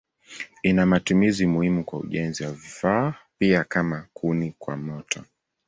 Ina matumizi muhimu kwa ujenzi na vifaa pia kama kuni kwa moto.